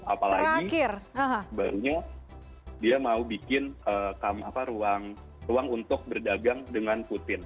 apalagi barunya dia mau bikin ruang untuk berdagang dengan putin